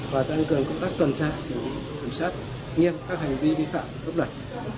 và tăng cường công tác tuần tra xử lý thủy sát nghiêm các hành vi vi phạm cấp lật